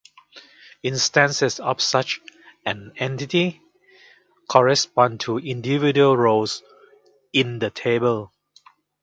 Instances of such an entity correspond to individual rows in the table.